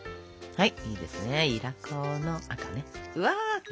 はい！